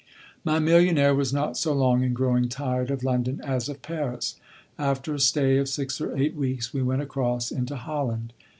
My millionaire was not so long in growing tired of London as of Paris. After a stay of six or eight weeks we went across into Holland.